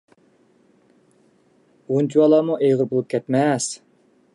ئۇنچىۋالامۇ ئېغىر بولۇپ كەتمەس!